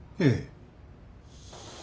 ええ。